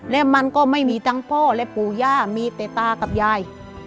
และมันก็ไม่มีทั้งพ่อและปู่ย่ามีแต่ตากับยาย